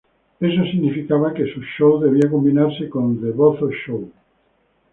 Eso significaba que su show debía combinarse con "The Bozo Show".